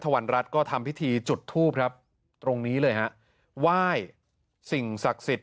ทวรรณรัฐก็ทำพิธีจุดทูบครับตรงนี้เลยฮะว่ายสิ่งศักษิต